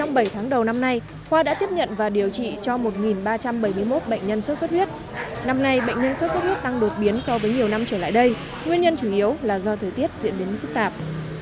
năm nay bệnh nhân sốt xuất huyết tăng đột biến so với nhiều năm trở lại đây nguyên nhân chủ yếu là do thời tiết diễn biến phức tạp